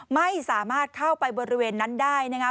ไม่สามารถเข้าไปบริเวณนั้นได้นะครับ